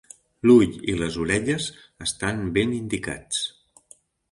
L'ull i les orelles estan ben indicats.